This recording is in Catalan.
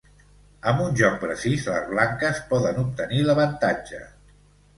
Amb un joc precís, les blanques poden obtenir l'avantatge.